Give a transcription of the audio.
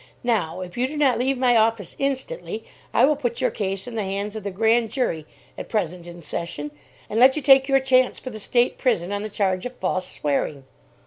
Now, if you do not leave my office instantly, I will put your case in the hands of the Grand Jury, at present in session, and let you take your chance for the State prison on the charge of false swearing!"